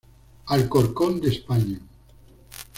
Alcorcón de España.